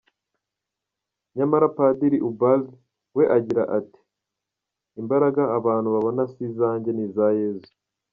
Nyamara, Padiri Ubald we agira ati “Imbaraga abantu babona si izanjye, ni iza Yezu.